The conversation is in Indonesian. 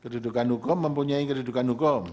kedudukan hukum mempunyai kedudukan hukum